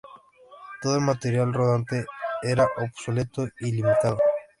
Todo el material rodante era obsoleto y limitado.